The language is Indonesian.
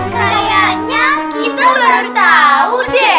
kayaknya kita udah tau deh